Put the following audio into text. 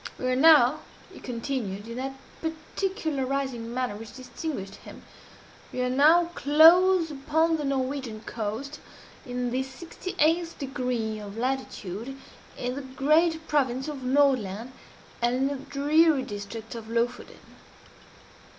"We are now," he continued, in that particularizing manner which distinguished him "we are now close upon the Norwegian coast in the sixty eighth degree of latitude in the great province of Nordland and in the dreary district of Lofoden.